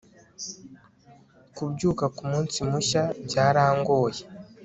kubyuka kumunsi mushya byarangoye